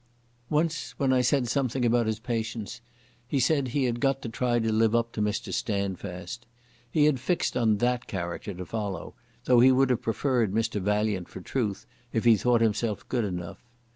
Once, when I said something about his patience, he said he had got to try to live up to Mr Standfast. He had fixed on that character to follow, though he would have preferred Mr Valiant for Truth if he had thought himself good enough.